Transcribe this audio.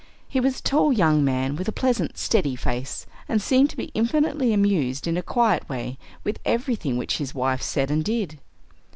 He was a tall young man, with a pleasant, "steady" face, and seemed to be infinitely amused, in a quiet way, with everything which his wife said and did.